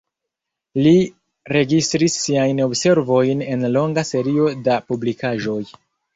Li registris siajn observojn en longa serio da publikaĵoj.